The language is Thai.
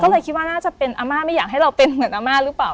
ก็เลยคิดว่าน่าจะเป็นอาม่าไม่อยากให้เราเป็นเหมือนอาม่าหรือเปล่า